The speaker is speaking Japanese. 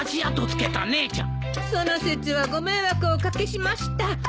その節はご迷惑をおかけしました。